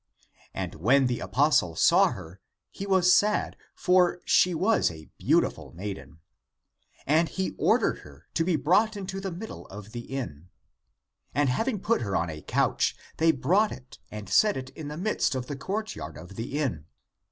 And when the apostle saw her, he was sad, for she was a beautiful maiden. And he ordered her to be brought into the middle of the inn. And having put her on a couch, they brought it, and set it in the midst of the court yard of the inn.